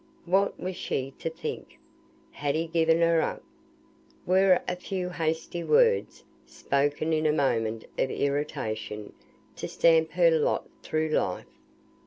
What was she to think? Had he given her up? Were a few hasty words, spoken in a moment of irritation, to stamp her lot through life?